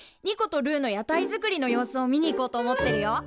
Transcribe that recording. ニコとルーの屋台作りの様子を見に行こうと思ってるよ。